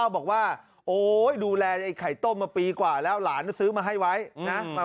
บอกว่าโอ๊ยดูแลไอ้ไข่ต้มมาปีกว่าแล้วหลานซื้อมาให้ไว้นะ